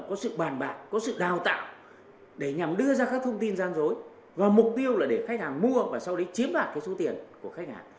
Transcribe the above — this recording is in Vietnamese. có sự bàn bạc có sự đào tạo để nhằm đưa ra các thông tin gian dối và mục tiêu là để khách hàng mua và sau đấy chiếm đoạt cái số tiền của khách hàng